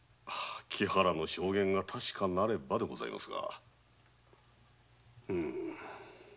木原の証言が確かであればでございます。